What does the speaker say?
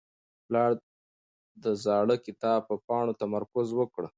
پلار د زاړه کتاب په پاڼو تمرکز وکړ.